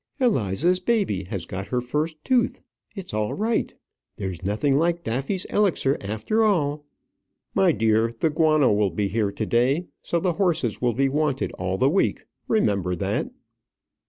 "Eliza's baby has got her first tooth: it's all right. There's nothing like Daffy's Elixir after all." "My dear, the guano will be here to day; so the horses will be wanted all the week remember that."